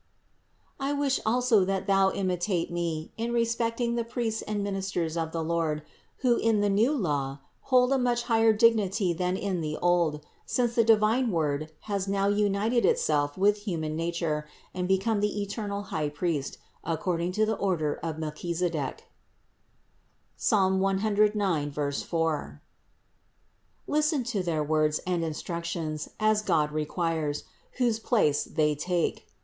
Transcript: I wish also that thou imitate me in respecting the priests and ministers of the Lord, who in the new law hold a much higher dignity than in THE INCARNATION 515 the old, since the divine Word has now united Itself with human nature and become the eternal High Priest ac cording to the order of Melchisedech (Ps. 109, 4). Listen to their words and instructions, as God requires, whose place they take.